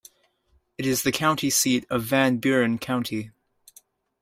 It is the county seat of Van Buren County.